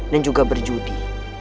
dan juga berjudi